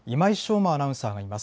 馬アナウンサーがいます。